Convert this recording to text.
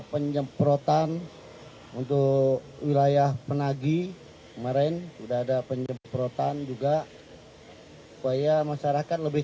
penjemprotan untuk wilayah penagi kemarin sudah ada penjemprotan juga supaya masyarakat lebih